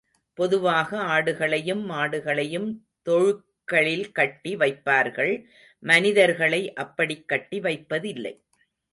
பொதுவாக ஆடுகளையும் மாடுகளையும் தொழுக்களில் கட்டி வைப்பார்கள் மனிதர்களை அப்படிக் கட்டி வைப்பதில்லை.